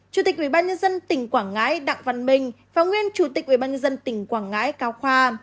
chủ tịch ủy ban nhân dân tỉnh quảng ngãi đặng văn minh và nguyên chủ tịch ủy ban nhân dân tỉnh quảng ngãi cao khoa